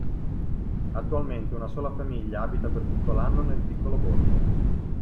Attualmente una sola famiglia abita per tutto l'anno nel piccolo borgo.